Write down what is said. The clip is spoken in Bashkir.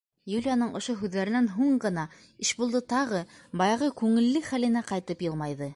Юлияның ошо һүҙҙәренән һуң ғына Ишбулды тағы баяғы күңелле хәленә ҡайтып йылмайҙы.